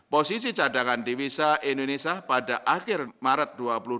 posisi cadangan devisa indonesia pada akhir maret dua ribu dua puluh